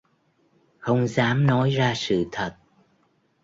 Không dám nói ra sự thật